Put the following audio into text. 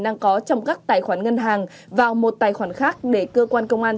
đang có trong các tài khoản ngân hàng vào một tài khoản khác để cơ quan công an